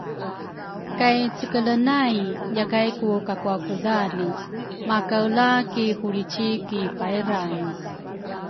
kay cekelenay yakay ku kakwakudhane, makakaela ki hulrici ki payrange.